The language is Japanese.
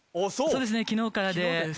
そうですね昨日からで。